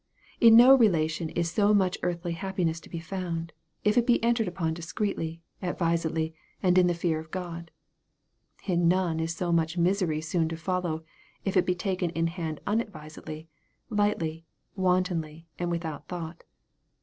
In no relation is so much earthly happiness to be found, if it be entered upon discreetly, advisedly, and in the fear of God. In none is so much misery seen to follow, if it be taken in hand unadvisedly, lightly, wantonly, and without thought.